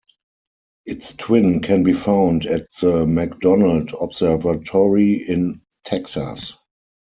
Its twin can be found at the McDonald Observatory in Texas.